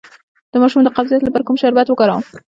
د ماشوم د قبضیت لپاره کوم شربت وکاروم؟